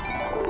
ya makasih ya